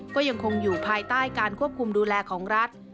ก็ยังคงอยู่ภายใต้การควบคุมดูแลของรัฐ